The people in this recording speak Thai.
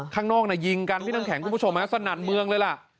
ข้างนอกยิงกันพี่น้ำแข็งคุณผู้ชมฮะสนั่นเมืองเลยล่ะ